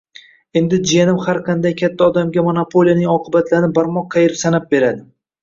endi jiyanim har qanday katta odamga monopoliyaning oqibatlarini barmoq qayirib sanab beradi –